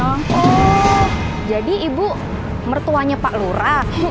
oh jadi ibu mertuanya pak lura